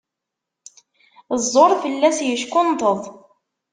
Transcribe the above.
Ẓẓur fell-as yeckunṭeḍ.